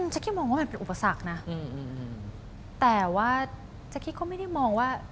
ชักขี้มองว่ามันเป็นอุปสรรคแต่ว่าชักขี้ก็ไม่ได้มองว่า